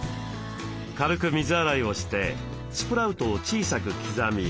軽く水洗いをしてスプラウトを小さく刻み。